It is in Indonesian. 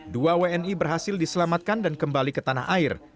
dua wni berhasil diselamatkan dan kembali ke tanah air